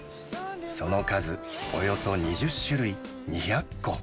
その数、およそ２０種類、２００個。